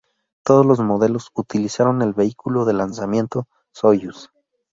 Todos los modelos utilizaron el vehículo de lanzamiento Soyuz.